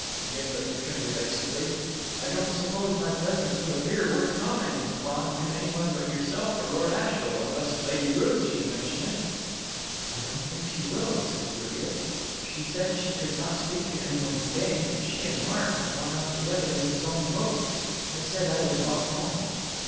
Gimblet returned evasively. "I don't suppose my presence would appear worth commenting upon to anyone but yourself or Lord Ashiel, unless Lady Ruth should mention it." "I don't think she will," said Juliet. "She said she could not speak to anyone to day, and she and Mark have gone off together in his own boat. I said I would walk home."